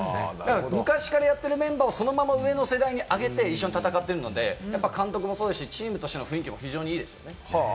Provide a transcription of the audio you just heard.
昔からやってるメンバーをそのまま上の世代に上げて、一緒に戦っているので、監督もそうですし、チームとしての雰囲気も非常にいいです。